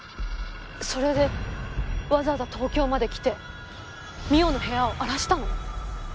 それでわざわざ東京まで来て望緒の部屋を荒らしたの？